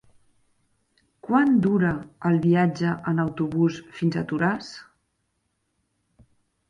Quant dura el viatge en autobús fins a Toràs?